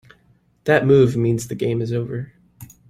That move means the game is over.